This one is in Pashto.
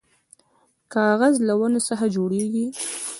کاغذ له ونو څخه جوړیږي